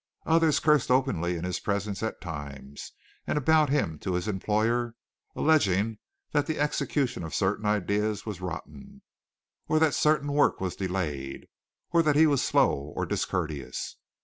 Others cursed openly in his presence at times, and about him to his employer, alleging that the execution of certain ideas was rotten, or that certain work was delayed, or that he was slow or discourteous.